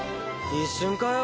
一瞬かよ